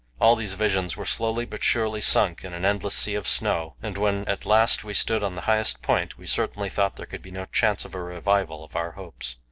All these visions were slowly but surely sunk in an endless sea of snow, and when at last we stood on the highest point, we certainly thought there could be no chance of a revival of our hopes.